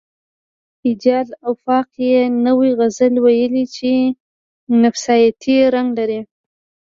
اعجاز افق یو نوی غزل ویلی چې نفسیاتي رنګ لري